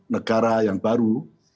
negara yang baru